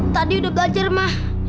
tadi udah belajar ma